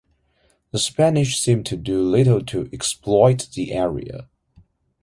The Spanish seemed to do little to exploit the area.